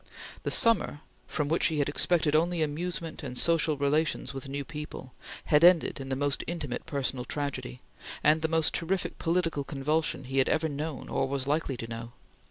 The summer, from which he had expected only amusement and social relations with new people, had ended in the most intimate personal tragedy, and the most terrific political convulsion he had ever known or was likely to know.